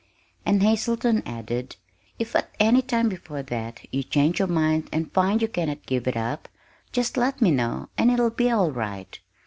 And Hazelton added: "If at any time before that you change your minds and find you cannot give it up just let me know and it will be all right.